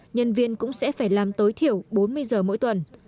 nhân viên cũng sẽ phải làm tối thiểu bốn mươi giờ mỗi tuần